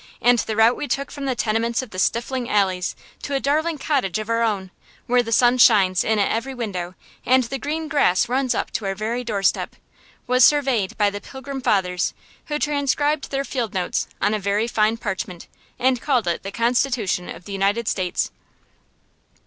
And the route we took from the tenements of the stifling alleys to a darling cottage of our own, where the sun shines in at every window, and the green grass runs up to our very doorstep, was surveyed by the Pilgrim Fathers, who trans scribed their field notes on a very fine parchment and called it the Constitution of the United States.